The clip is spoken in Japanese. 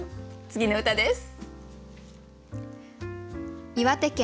次の歌です。